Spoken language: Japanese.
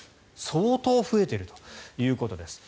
相当増えているということです。